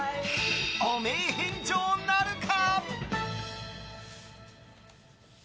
汚名返上なるか？